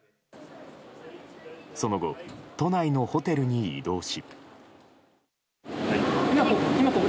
その後、都内のホテルに移動し。